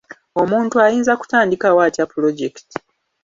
Omuntu ayinza kutandikawo atya pulojekiti?